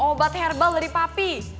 obat herbal dari papi